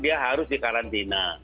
dia harus di karantina